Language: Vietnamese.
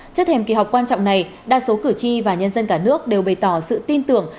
trước thềm kỳ họp quan trọng này đa số cử tri và nhân dân cả nước đều bày tỏ sự tin tưởng